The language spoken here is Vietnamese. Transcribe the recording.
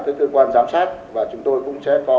cái cơ quan giám sát và chúng tôi cũng sẽ có